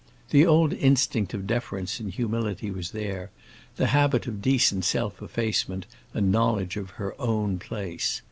The old instinct of deference and humility was there; the habit of decent self effacement and knowledge of her "own place."